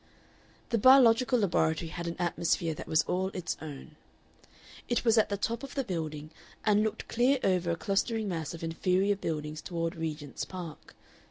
The biological laboratory had an atmosphere that was all its own. It was at the top of the building, and looked clear over a clustering mass of inferior buildings toward Regent's Park.